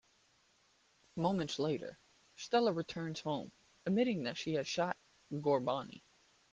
Moments later, Stella returns home, admitting that she has shot Gar Boni.